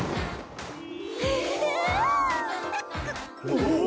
おお。